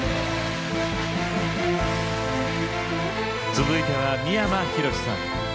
続いては三山ひろしさん。